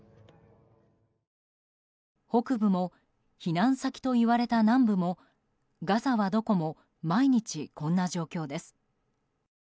北部も、避難先といわれた南部もガザはどこも毎日こんな状況です。